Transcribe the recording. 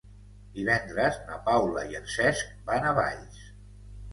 Divendres na Paula i en Cesc van a Valls.